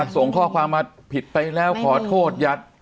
ส่งข้อความมาผิดไปแล้วขอโทษหยัด